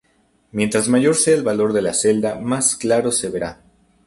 Mientras mayor sea el valor de la celda más claro se verá.